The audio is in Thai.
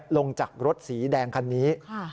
ลงจากรถสีแดงคันนี้